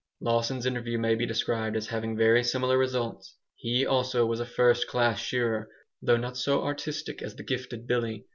Lawson's interview may be described as having very similar results. He, also, was a first class shearer, though not so artistic as the gifted Billy.